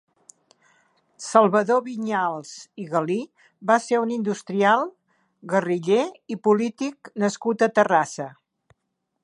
Salvador Vinyals i Galí va ser un industrial, guerriller i polític nascut a Terrassa.